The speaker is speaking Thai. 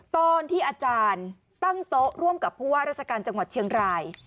ตอนที่อาจารย์ตั้งโต๊ะร่วมกับผู้ว่าราชการจังหวัดเชียงราย